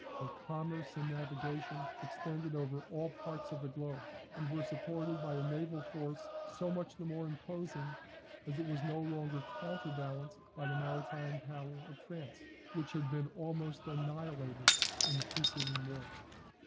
Her commerce and navigation extended over all parts of the globe, and were supported by a naval force so much the more imposing, as it was no longer counter balanced by the maritime power of France, which had been almost annihilated in the preceding war.